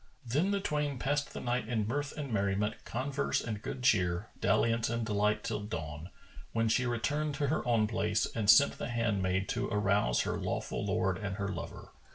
Then the twain passed the night in mirth and merriment, converse and good cheer, dalliance and delight till dawn, when she returned to her own place and sent the handmaid to arouse her lawful lord and her lover.